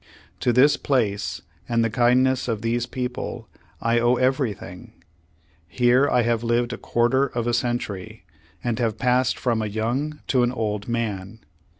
To this place, and the kindness of these people, I owe everything. Here I have lived a quarter of a century, and have passed from a young to an old man.